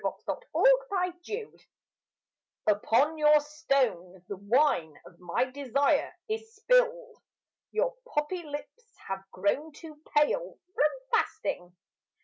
V Too Late Upon your stone the wine of my desire Is spilled. Your poppy lips have grown too pale From fasting.